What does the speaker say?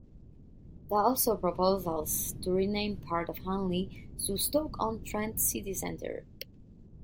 There are also proposals to rename part of Hanley to Stoke-on-Trent City Centre.